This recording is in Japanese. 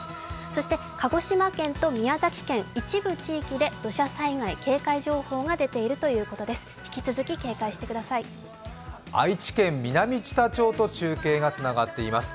そして鹿児島県と宮崎県、一部地域で土砂災害警戒情報が出ているということです。